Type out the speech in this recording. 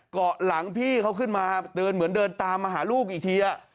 เกาะหลังพี่เขาขึ้นมาเดินเหมือนเดินตามมาหาลูกอีกที